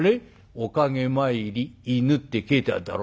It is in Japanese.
『おかげ参り犬』って書えてあるだろ？